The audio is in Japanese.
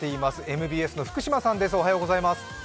ＭＢＳの福島さんです。